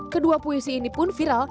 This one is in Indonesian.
kedua puisi ini pun viral